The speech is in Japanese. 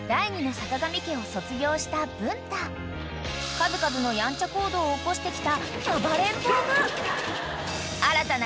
［数々のやんちゃ行動を起こしてきた］